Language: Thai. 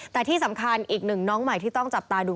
แต่ที่สำคัญอีกหนึ่งน้องใหม่ที่ต้องจับตาดู